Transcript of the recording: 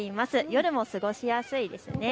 夜も過ごしやすいです。